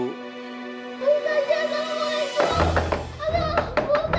bu saja assalamualaikum